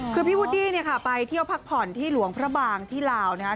คือพี่วุดดี้เนี่ยค่ะไปเที่ยวพักผ่อนที่หลวงพระบางที่ลาวนะคะ